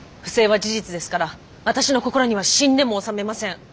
不正は事実ですから私の心には死んでも納めません。